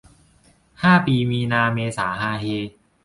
ห้าปีมีนาเมษาฮาเฮ